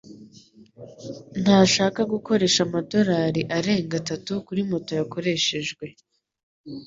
ntashaka gukoresha amadolari arenga atatu kuri moto yakoreshejwe